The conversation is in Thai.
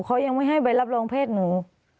เขายังไม่ให้ใบรับรองเพศหนู